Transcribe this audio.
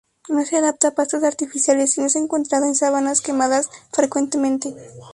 No se adapta a pastos artificiales y no es encontrada en sabanas quemadas frecuentemente.